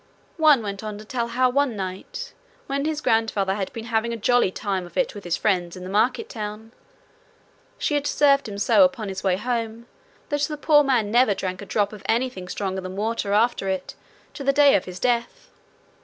One went on to tell how one night when his grandfather had been having a jolly time of it with his friends in the market town, she had served him so upon his way home that the poor man never drank a drop of anything stronger than water after it to the day of his death.